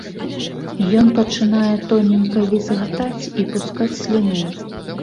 Ён пачынае тоненька візгатаць і пускаць сліну.